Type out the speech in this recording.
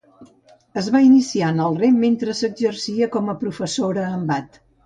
Es va iniciar en el rem mentre s'exercia com a professora en Bath.